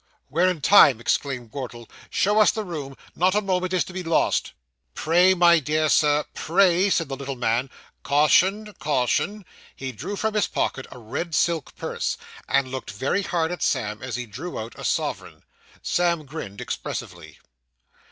'We're in time,' exclaimed Wardle. 'Show us the room; not a moment is to be lost.' 'Pray, my dear sir pray,' said the little man; 'caution, caution.' He drew from his pocket a red silk purse, and looked very hard at Sam as he drew out a sovereign. Sam grinned expressively.